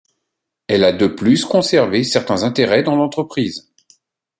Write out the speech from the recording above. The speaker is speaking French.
Elle a de plus conservé certains intérêts dans l'entreprise.